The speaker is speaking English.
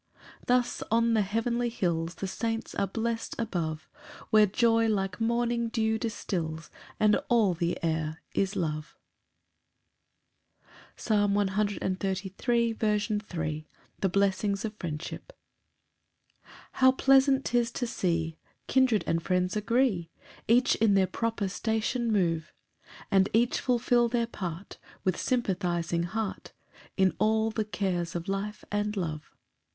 4 Thus on the heavenly hills The saints are blest above, Where joy like morning dew distils, And all the air is love. Psalm 133:3. As the 122nd Psalm. The blessings of friendship. 1 How pleasant 'tis to see Kindred and friends agree, Each in their proper station move, And each fulfil their part With sympathizing heart, In all the cares of life and love!